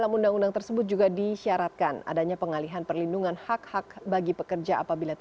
perusahaan penyedia concept